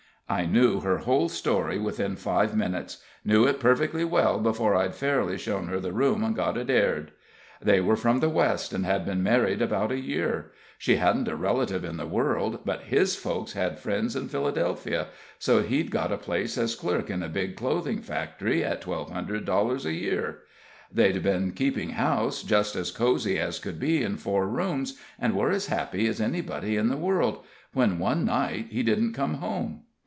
I knew her whole story within five minutes knew it perfectly well before I'd fairly shown her the room and got it aired. They were from the West, and had been married about a year. She hadn't a relative in the world, but his folks had friends in Philadelphia, so he'd got a place as clerk in a big clothing factory, at twelve hundred dollars a year. They'd been keeping house, just as cozy as could be in four rooms, and were as happy as anybody in the world, when one night he didn't come home.